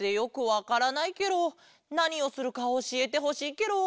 なにをするかおしえてほしいケロ。